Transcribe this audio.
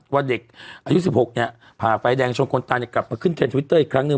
ว่าเด็กอายุ๑๖เนี่ยพาไฟแดงชงคลตากลับมาเคล็นทวิตเตอร์อีกครั้งนึง